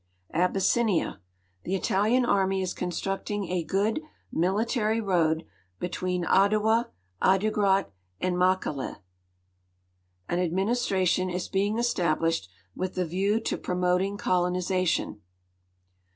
Abyssinia. The Italian army is con.structing a good military road between Adowa, Adigrat, and Makaleh. An administration is being estab lished, with a view to jiromoting colonization.